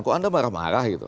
kok anda marah marah gitu